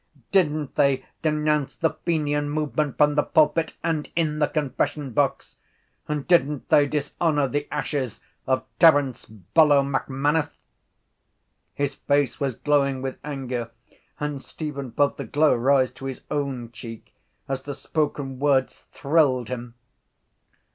Didn’t they denounce the fenian movement from the pulpit and in the confession box? And didn’t they dishonour the ashes of Terence Bellew MacManus? His face was glowing with anger and Stephen felt the glow rise to his own cheek as the spoken words thrilled him.